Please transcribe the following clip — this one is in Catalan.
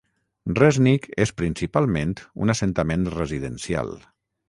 Resnik és principalment un assentament residencial.